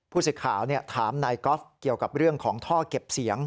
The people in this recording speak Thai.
สิทธิ์ข่าวถามนายกอล์ฟเกี่ยวกับเรื่องของท่อเก็บเสียง